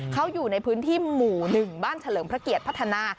เขาอยู่ในพื้นที่หมู่๑บ้านเฉลิมพระเกียรติพัฒนา